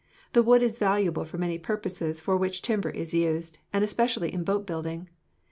The wood is valuable for many purposes for which timber is used, and especially in boat building.